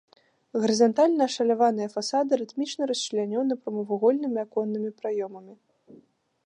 Гарызантальна ашаляваныя фасады рытмічна расчлянёны прамавугольнымі аконнымі праёмамі.